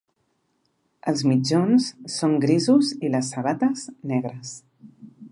Els mitjons són grisos i les sabates, negres.